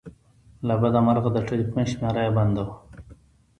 له بده مرغه د ټیلیفون شمېره یې بنده وه.